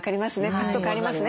ぐっと変わりますね